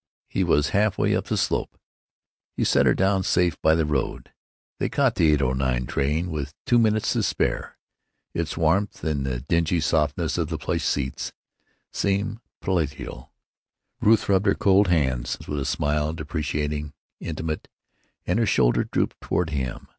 he was half way up the slope. He set her down safe by the road. They caught the 8.09 train with two minutes to spare. Its warmth and the dingy softness of the plush seats seemed palatial. Ruth rubbed her cold hands with a smile deprecating, intimate; and her shoulder drooped toward him.